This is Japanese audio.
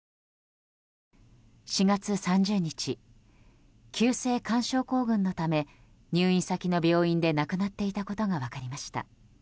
４月３０日、急性冠症候群のため入院先の病院で亡くなっていたことが分かりました。